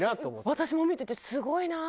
私も見ててすごいなあ。